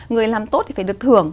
người làm tốt thì phải được thưởng